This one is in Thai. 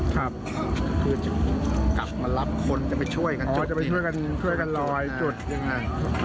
กลับมารับคนจะไปช่วยกันช่วยกันล้อยแบบนี้